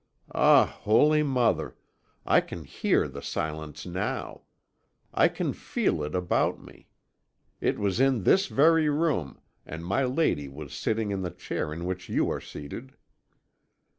Ah, Holy Mother! I can hear the silence now: I can feel it about me! It was in this very room, and my lady was sitting in the chair in which you are seated.